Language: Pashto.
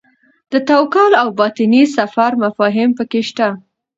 د توکل او باطني سفر مفاهیم پکې شته.